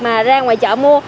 mà ra ngoài chợ mua